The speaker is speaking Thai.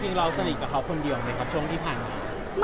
เราสนิทกับเขาคนเดียวไหมครับช่วงที่ผ่านมา